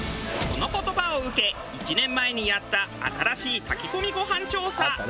この言葉を受け１年前にやった新しい炊き込みご飯調査。